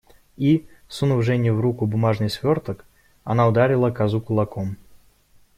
И, сунув Жене в руку бумажный сверток, она ударила козу кулаком.